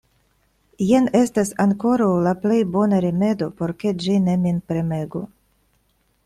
Jen estas ankoraŭ la plej bona rimedo, por ke ĝi ne min premegu.